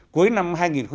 cuối năm hai nghìn bảy